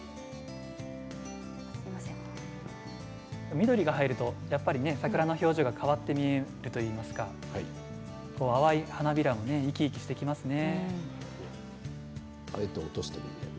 緑が入ると桜の表情が変わって見えるといいますか淡い花びらが生き生きしてきますね。